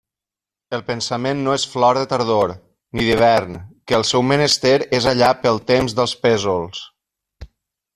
El pensament no és flor de tardor, ni d'hivern, que el seu menester és allà pel temps dels pésols.